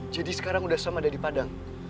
jadi sekarang udhasham ada di padang